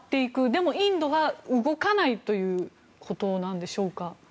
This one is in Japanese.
でもインドが動かないということなんでしょうか。